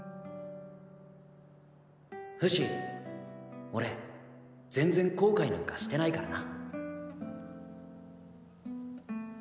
フシ俺全然後悔なんかしてないからな。